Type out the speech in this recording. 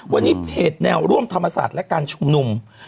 วันนี้เพจแนวร่วมธรรมศาสตร์และการชุมนุม